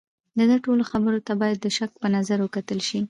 د ده ټولو خبرو ته باید د شک په نظر وکتل شي.